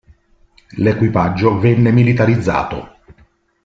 L'equipaggio venne militarizzato.